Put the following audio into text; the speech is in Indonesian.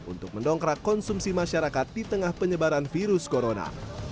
untuk mendongkrak konsumsi masyarakat di tengah penyebaran virus corona